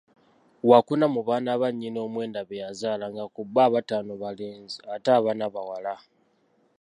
Waakuna mu baana bannyina omwenda beyazaala nga ku bbo abataano balenzi ate abana bawala